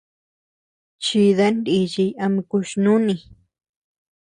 Chidan nichiy ama kuch-nùni.